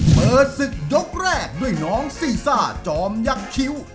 เปิดศึกยกแรกด้วยน้องซีซ่าจอมยักษ์คิ้ว